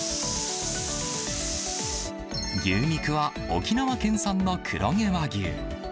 牛肉は沖縄県産の黒毛和牛。